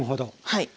はい。